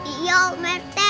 iya om rt